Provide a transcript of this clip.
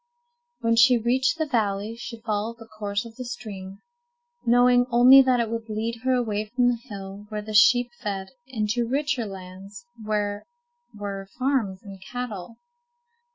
When she reached the valley she followed the course of the stream, knowing only that it would lead her away from the hill where the sheep fed, into richer lands where were farms and cattle.